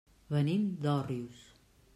Venim d'Òrrius.